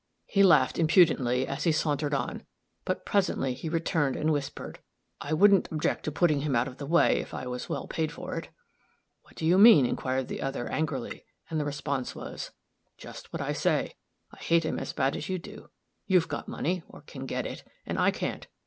He laughed impudently, as he sauntered on; but, presently, he returned and whispered, 'I wouldn't object to putting him out of the way, if I was well paid for it.' 'What do you mean?' inquired the other, angrily, and the response was, 'Just what I say. I hate him as bad as you do; you've got money, or can get it, and I can't.